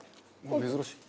珍しい。